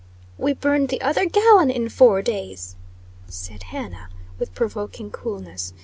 "We burned the other gallon in four days," said Hannah, with provoking coolness.